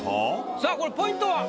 さあこれポイントは？